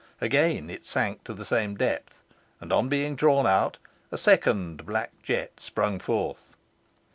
Again it sank to the same depth, and, on being drawn out, a second black jet sprung forth.